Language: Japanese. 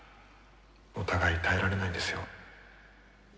お互い耐えられないですよ。